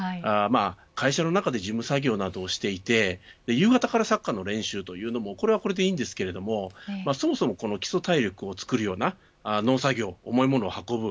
会社の中で事務作業などをしていて夕方からサッカーの練習というのもこれはこれでいいんですけれどもそもそも基礎体力をつくるような農作業、重い物を運ぶ